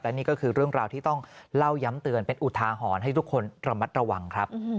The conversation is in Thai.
นี่ก็คือเรื่องราวที่ต้องเล่าย้ำเตือนเป็นอุทาหรณ์ให้ทุกคนระมัดระวังครับ